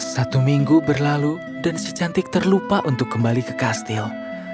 satu minggu berlalu dan si cantik terlupa untuk kembali ke kastil